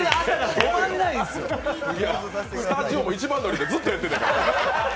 スタジオも一番乗りで、ずっとやってたから。